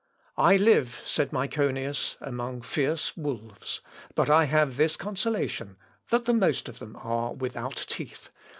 "I live," said Myconius, "among fierce wolves; but I have this consolation, that the most of them are without teeth.